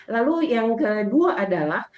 lalu yang kedua adalah